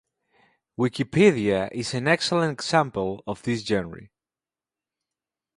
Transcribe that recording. Wikipedia is an excellent example of this genre.